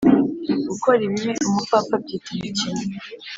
gukora ibibi umupfapfa abyita ibikino,